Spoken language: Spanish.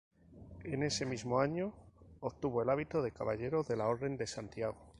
En ese mismo año obtuvo el hábito de caballero de la Orden de Santiago.